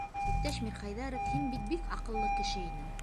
Иптәш Мирхәйҙәров, һин бит бик аҡыллы кеше инең.